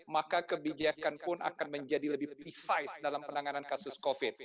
maka kebijakan pun akan menjadi lebih picize dalam penanganan kasus covid